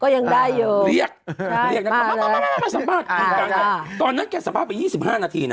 ก็ยังได้อยู่เรียกมาสัมภาษณ์ตอนนั้นแกสัมภาษณ์ไป๒๕นาทีน่ะ